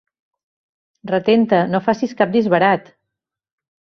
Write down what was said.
Retén-te, no facis cap disbarat!